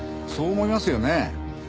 そう思いますよね。